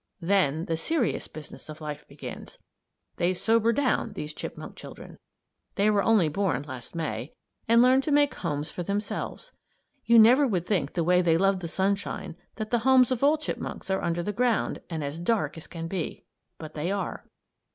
Then the serious business of life begins. They sober down, these chipmunk children they were only born last May and learn to make homes for themselves. You never would think the way they love the sunshine that the homes of all the chipmunks are under the ground, and as dark as can be. But they are.